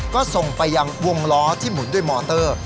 ก็ส่งไปยังวงล้อที่หมุนด้วยมอเตอร์